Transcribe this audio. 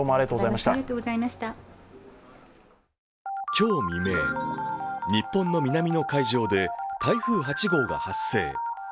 今日未明、日本の南の海上で台風８号が発生。